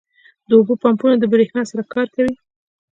• د اوبو پمپونه د برېښنا سره کار کوي.